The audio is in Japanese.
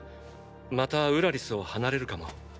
またウラリスを離れるかも。